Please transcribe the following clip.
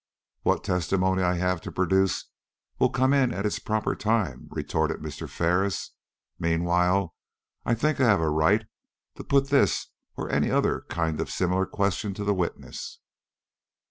"What testimony I have to produce will come in at its proper time," retorted Mr. Ferris. "Meanwhile, I think I have a right to put this or any other kind of similar question to the witness."